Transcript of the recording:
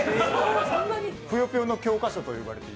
ぷよぷよの教科書と言われている。